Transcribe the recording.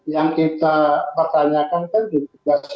yang kita pertanyakan kan juga